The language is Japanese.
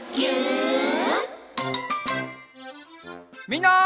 みんな。